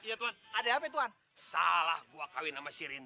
udah jadi keren